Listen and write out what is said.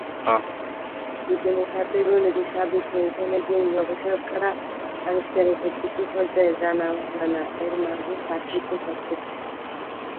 বিজ্ঞানের সাথে গণিতের সাদৃশ্য এখানে যে গবেষকরা আবিষ্কারের প্রত্যেকটি পর্যায়ে জানা ও অজানা এর মাঝে পার্থক্য করতে পারেন।